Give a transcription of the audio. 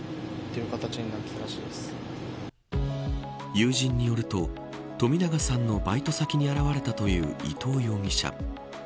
友人によると冨永さんのバイト先に現れたという伊藤容疑者。